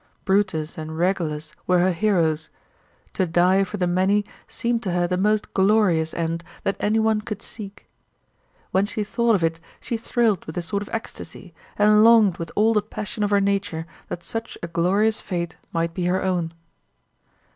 Brutus and Regulus were her heroes. To die for the many seemed to her the most glorious end that any one could seek. When she thought of it she thrilled with a sort of ecstasy, and longed with all the passion of her nature that such a glorious fate might be her own.